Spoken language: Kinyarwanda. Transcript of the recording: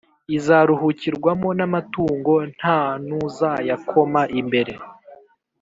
izaruhukirwamo n’amatungo nta n’uzayakoma imbere.